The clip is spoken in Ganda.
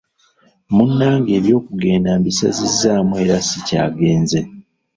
Munnange eby'okugenda mbisazizzaamu era sikyagenze.